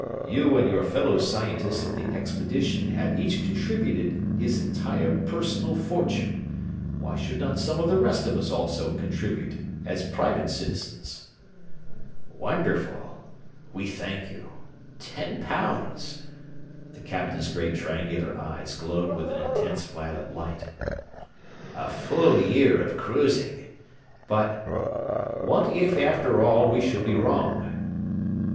You and your fellow scientists of the expedition have each contributed his entire personal fortune; why should not some of the rest of us also contribute, as private citizens?" "Wonderful we thank you. Ten pounds!" The captain's great triangular eyes glowed with an intense violet light. "A full year of cruising. But ... what if, after all, we should be wrong?"